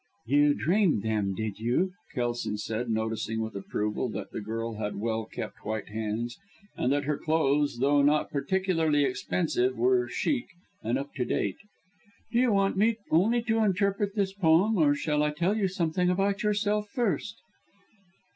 "You dreamed them, did you!" Kelson said, noticing with approval that the girl had well kept white hands, and that her clothes, though not particularly expensive, were chic, and up to date. "Do you want me only to interpret this poem, or shall I tell you something about yourself first?"